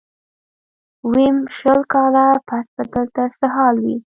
ويم شل کاله پس به دلته څه حال وي.